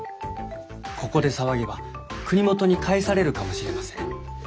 ここで騒げば国元に返されるかもしれません。